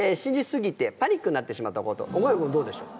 岡山君どうでしょう？